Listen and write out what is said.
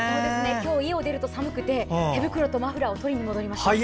今日、家を出ると寒くて手袋とマフラーを取りに戻りました。